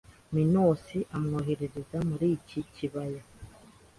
Minos amwohereza muri iki kibaya